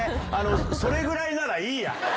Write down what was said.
それぐらいならいいや。